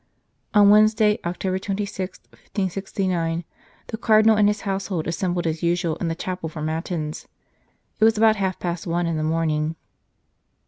On Wednesday, October 26, 1569, the Cardinal and his household assembled as usual in the chapel for Matins. It was about half past one in the morning.